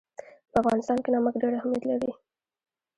په افغانستان کې نمک ډېر اهمیت لري.